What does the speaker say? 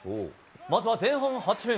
まずは前半８分